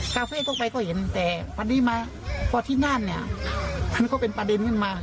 กาเฟ่ก็ไปก็เห็นแต่พอที่นั่นมันก็เป็นประเด็นขึ้นมา